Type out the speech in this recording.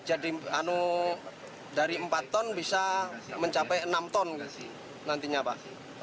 jadi dari empat ton bisa mencapai enam ton nantinya pak